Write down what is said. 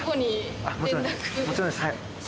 もちろんです。